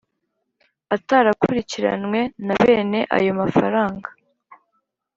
atarakurikiranwe na bene ayo mafaranga.